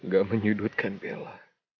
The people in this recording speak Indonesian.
gak menyudutkan bella